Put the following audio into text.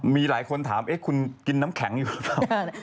มีหลายคนถามคุณกินน้ำแข็งอยู่หรือเปล่า